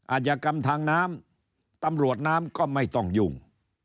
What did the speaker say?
อาจกรรมทางน้ำตำรวจน้ำก็ไม่ต้องยุ่ง